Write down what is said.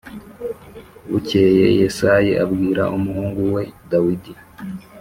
Bukeye yesayi abwira umuhungu we dawidi